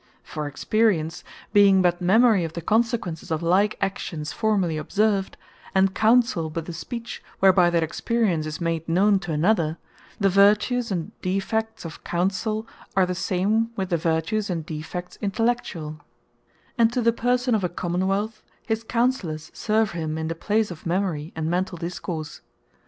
For Experience, being but Memory of the consequences of like actions formerly observed, and Counsell but the Speech whereby that experience is made known to another; the Vertues, and Defects of Counsell, are the same with the Vertues, and Defects Intellectuall: And to the Person of a Common wealth, his Counsellours serve him in the place of Memory, and Mentall Discourse.